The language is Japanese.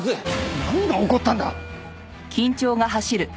何が起こったんだ？